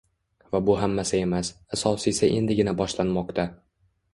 Va bu hammasi emas, asosiysi endigina boshlanmoqda